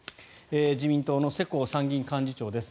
自民党の世耕参議院幹事長です。